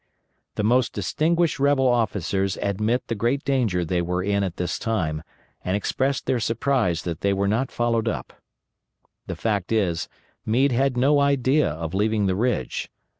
The most distinguished rebel officers admit the great danger they were in at this time, and express their surprise that they were not followed up. The fact is, Meade had no idea of leaving the ridge.